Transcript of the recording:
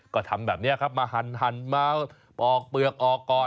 ก็ทำแบบนี้ครับมาหั่นมาปอกเปลือกออกก่อน